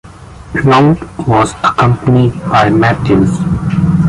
Lount was accompanied by Matthews.